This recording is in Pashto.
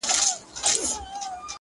ما مينه ورکړله، و ډېرو ته مي ژوند وښودئ،